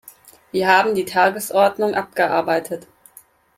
Wir haben die Tagesordnung abgearbeitet.